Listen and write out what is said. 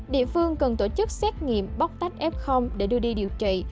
địa phương cần tổ chức xét nghiệm bóc tách f để đưa đi điều trị